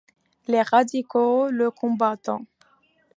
Les radicaux le combattent.